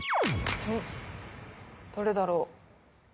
どれだろう？